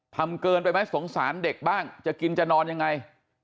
ทำเกินไปไหมสงสารเด็กบ้างจะกินจะนอนยังไง